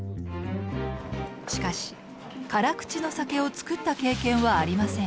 しかし辛口の酒を造った経験はありません。